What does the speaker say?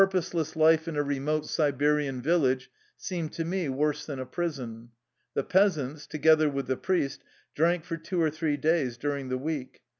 The purposeless life in a remote Siberian village seemed to me worse than a prison. The peas ants, together with the priest, drank for two or three days during the week.